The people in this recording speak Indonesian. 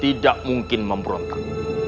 tidak mungkin memberontak